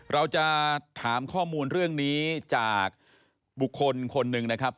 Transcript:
เราจะถามข้อมูลเรื่องนี้จากบุคคลคนหนึ่งนะครับ